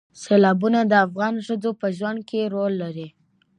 سیلابونه د افغان ښځو په ژوند کې رول لري.